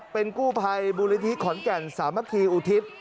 เป็นคู่ภัยบูรณิธิขอนแก่นสามพิอุทิศ